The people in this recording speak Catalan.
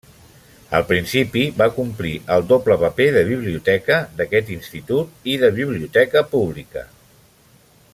Al principi, va complir el doble paper de biblioteca d'aquest institut i de biblioteca pública.